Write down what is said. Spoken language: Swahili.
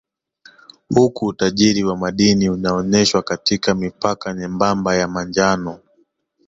Huku utajiri wa madini unaonyeshwa katika mipaka nyembamba ya manjano